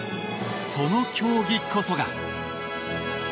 その競技こそが。